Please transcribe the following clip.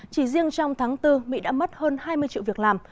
chỉ riêng trong tháng bốn mỹ đã mất hơn hai mươi triệu việc làm